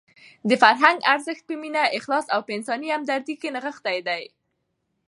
د فرهنګ ارزښت په مینه، اخلاص او په انساني همدردۍ کې نغښتی دی.